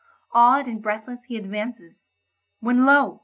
Awed and breathless he advances; when lo!